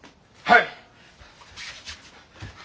はい。